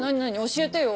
教えてよ。